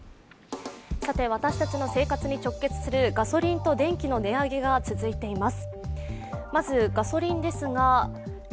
私たちの生活に直結するガソリンと電気の値上げが続いています。